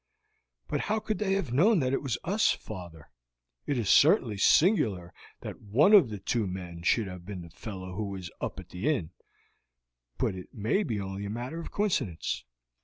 "But how could they have known that it was us, father? It is certainly singular that one of the two men should have been the fellow who was up at the inn, but it may be only a matter of coincidence."